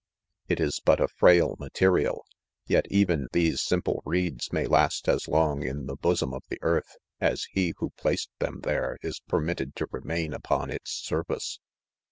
It is but a frail material !— jet even these simple reeds may Last as long in the bosom of the earth, as he who placed them there is permitted to remain upon its sur face."